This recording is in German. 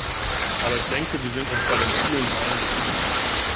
Aber ich denke, wir sind uns bei den Zielen einig.